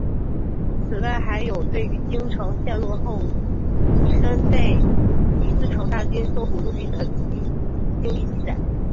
此外还有对于京城陷落后己身被李自成大顺军搜捕入狱的经历记载。